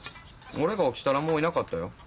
俺が起きたらもういなかったよ。